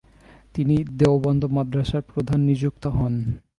তিনি দেওবন্দ মাদ্রাসার প্রধান নিযুক্ত হন।